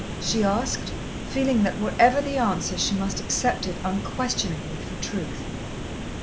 she asked, feeling that whatever the answer she must accept it unquestioningly for truth.